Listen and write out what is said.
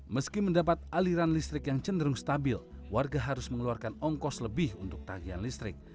meski mendapat aliran listrik yang cenderung stabil warga harus mengeluarkan ongkos lebih untuk tagihan listrik